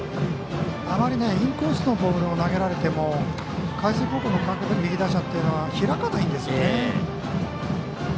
インコースのボールを投げられても海星高校の右打者というのは開かないんですよね。